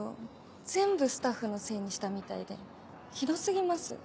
全部スタッフのせいにしたみたいでひど過ぎます。